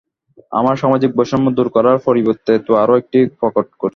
আমরা সামাজিক বৈষম্য দূর করার পরিবর্তে তো আরও প্রকট করছি।